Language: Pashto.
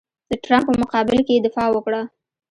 د ټرمپ په مقابل کې یې دفاع وکړه.